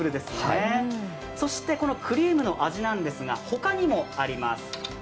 そしてこのクリームの味なんですが、他にもあります。